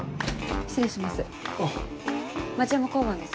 失礼します。